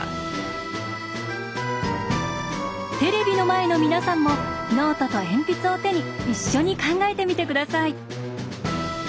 テレビの前の皆さんもノートと鉛筆を手に一緒に考えてみてください。